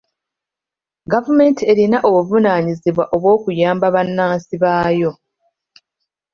Gavumenti erina obuvunaanyizibwa obw'okuyamba bannansi baayo.